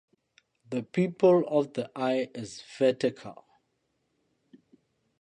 The pupil of the eye is vertical.